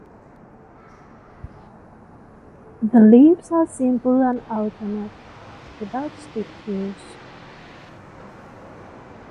The leaves are simple and alternate, without stipules.